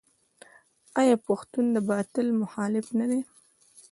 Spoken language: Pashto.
آیا پښتون د باطل مخالف نه دی؟